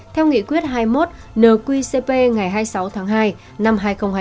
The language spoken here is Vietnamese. theo nghị quyết hai mươi một nqcp ngày hai mươi sáu tháng hai năm hai nghìn hai mươi